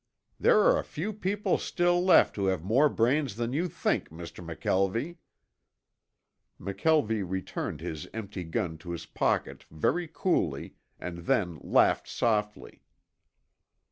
There are a few people still left who have more brains than you think, Mr. McKelvie." McKelvie returned his empty gun to his pocket very coolly, and then laughed softly.